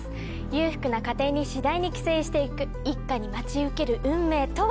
裕福な家庭に次第に寄生していく一家に待ち受ける運命とは？